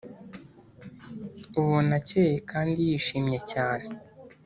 ubona akeye kandi yishimye cyane.